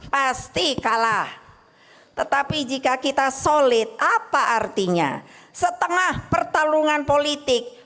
pasti kalah tetapi jika kita solid apa artinya setengah pertarungan politik